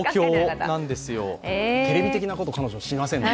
テレビ的なことを彼女はしませんので。